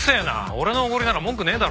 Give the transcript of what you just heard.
俺の奢りなら文句ねえだろ。